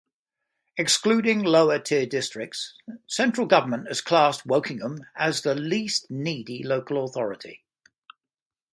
Excluding lower-tier districts, Central Government has classified Wokingham as the least needy Local Authority.